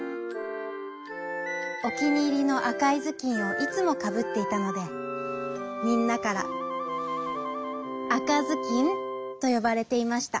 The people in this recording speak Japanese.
おきにいりのあかいずきんをいつもかぶっていたのでみんなからあかずきんとよばれていました。